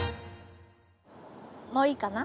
もういいかな？